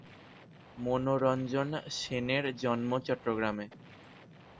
মনোরঞ্জন সেনের জন্ম চট্টগ্রামে।